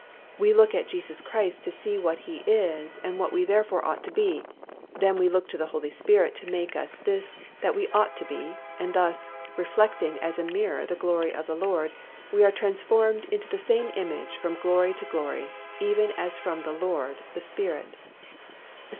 we look at Jesus Christ to see what He is and what we therefore ought to be; then we look to the Holy Spirit to make us this that we ought to be and thus, "reflecting as a mirror the glory of the Lord, we are transformed into the same image from glory to glory, even as from the Lord the Spirit" (2 Cor.